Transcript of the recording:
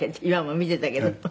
今も見てたけど」